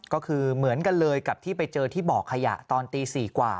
ก็คือเหมือนกันเลยกับที่ไปเจอที่บ่อขยะตอนตี๔กว่า